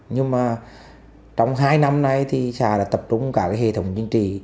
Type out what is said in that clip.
nhưng mà trong hai năm nay thì chả là tập trung cả hệ thống chính trị